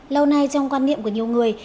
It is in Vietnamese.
lâu nay trong quan niệm của nhiều người